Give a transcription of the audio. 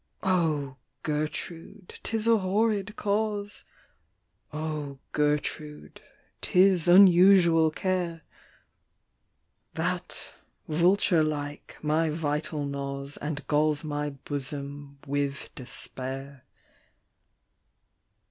"'* O Gertrude, 'tis a horrid cause, O Gertrude, 'tis unusual care, That, vulture like, my vital gnaws, And galls my bosom with despair.